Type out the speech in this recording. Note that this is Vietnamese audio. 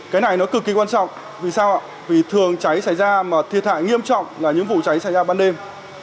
cái này nó cực kỳ quan trọng vì sao vì thường cháy xảy ra mà thiệt hại nghiêm trọng là những vụ cháy xảy ra ban đêm